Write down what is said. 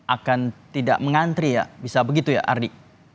akan tidak mengantri ya bisa begitu ya ardi